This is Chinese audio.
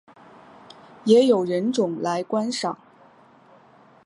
也有人种来观赏。